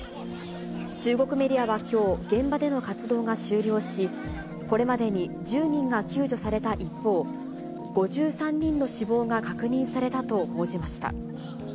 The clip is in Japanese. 中国メディアはきょう、現場での活動が終了し、これまでに１０人が救助された一方、５３人の死亡が確認されたと報じました。